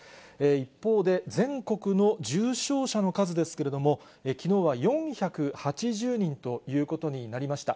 一方で、全国の重症者の数ですけれども、きのうは４８０人ということになりました。